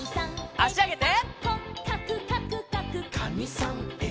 あしあげて。